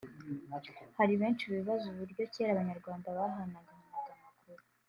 hari benshi bibaza uburyo kera abanyarwanda bahanahanaga amakuru